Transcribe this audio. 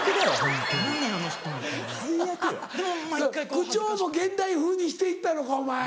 口調も現代風にして行ったのかお前。